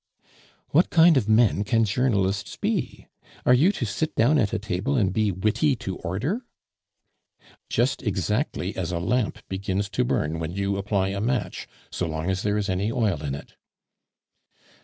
"What kind of men can journalists be? Are you to sit down at a table and be witty to order?" "Just exactly as a lamp begins to burn when you apply a match so long as there is any oil in it."